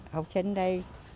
học sinh đây